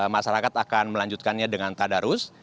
masyarakat akan melanjutkannya dengan tadarus